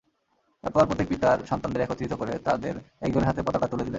তারপর প্রত্যেক পিতার সন্তানদের একত্রিত করে তাদেরই একজনের হাতে পতাকা তুলে দিলেন।